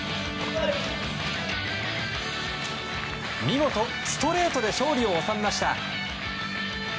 見事、ストレートで勝利を収めました。